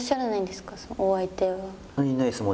お相手は。